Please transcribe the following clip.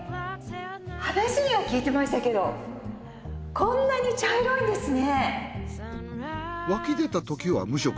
話には聞いてましたけどこんなに茶色いんですね。